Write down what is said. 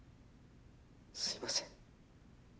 すいません。